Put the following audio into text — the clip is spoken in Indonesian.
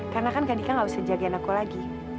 karena kan kak dika gak usah jagain aku lagi